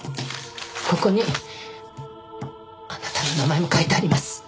ここにあなたの名前も書いてあります。